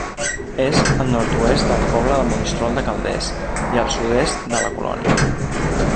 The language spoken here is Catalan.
És al nord-oest del poble de Monistrol de Calders i al sud-est de la Colònia.